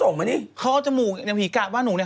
นี่ไงเค้ส่งมานี่